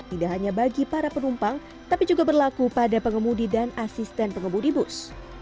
tidak hanya bagi para penumpang tapi juga berlaku pada pengemudi dan asisten pengemudi bus